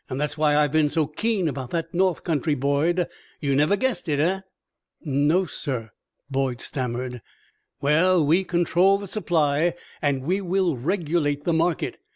That's why I've been so keen about that north country, Boyd. You never guessed it, eh?" "No, sir," Boyd stammered. "Well, we control the supply, and we will regulate the market.